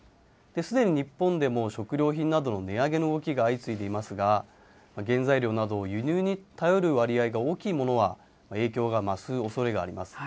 すでに日本でも食料品など、値上げの動きが相次いでいますが、原材料などを輸入に頼る割合が大きいものは、影響が増すおそれがあります。